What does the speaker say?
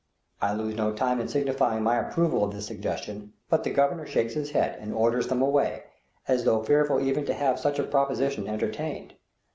I lose no time in signifying my approval of this suggestion; but the Governor shakes his head and orders them away, as though fearful even to have such a proposition entertained.